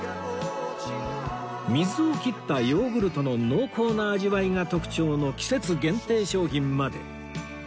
水を切ったヨーグルトの濃厚な味わいが特徴の季節限定商品まで